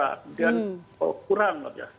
kemudian kurang mbak